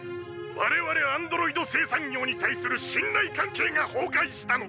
我々アンドロイド生産業に対する信頼関係が崩壊したのだ！